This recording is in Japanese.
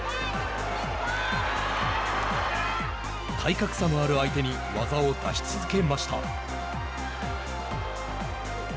体格差のある相手に技を出し続けました。